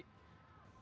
những cảm xúc trái chiều